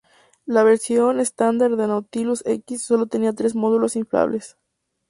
La versión estándar de Nautilus-X sólo tenía tres módulos inflables.